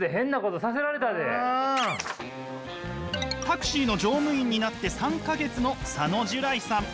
タクシーの乗務員になって３か月の佐野寿來さん。